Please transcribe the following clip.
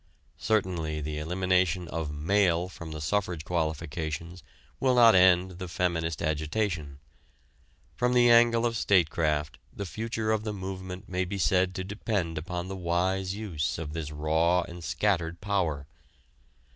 Certainly the elimination of "male" from the suffrage qualifications will not end the feminist agitation. From the angle of statecraft the future of the movement may be said to depend upon the wise use of this raw and scattered power.